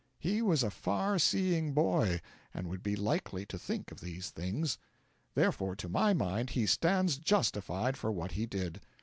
He was a far seeing boy and would be likely to think of these things. Therefore, to my mind, he stands justified for what he did.